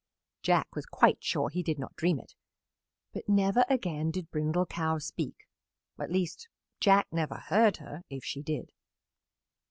Jack was quite sure he did not dream it, but never again did Brindle Cow speak at least, Jack never heard her if she did.